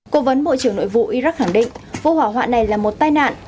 cố vấn bộ trưởng nội vụ iraq khẳng định vụ hỏa hoạn này là một tai nạn